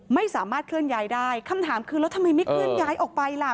ไม่สามารถเคลื่อนย้ายได้คำถามคือแล้วทำไมไม่เคลื่อนย้ายออกไปล่ะ